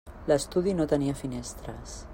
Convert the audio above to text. L'estudi no tenia finestres.